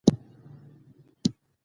تورم د اسعارو د ارزښت کمښت دی.